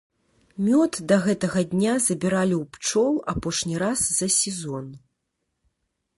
Мёд да гэтага дня забіралі ў пчол апошні раз за сезон.